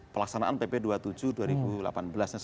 pelaksanaan pp dua puluh tujuh dua ribu delapan belas